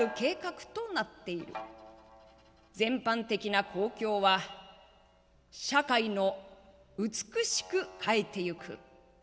全般的な好況は社会を美しく変えていく。